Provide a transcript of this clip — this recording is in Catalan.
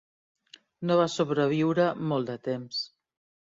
No va sobreviure molt de temps.